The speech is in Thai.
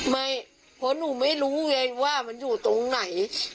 ไม่เพราะหนูไม่รู้ไงว่ามันอยู่ตรงไหน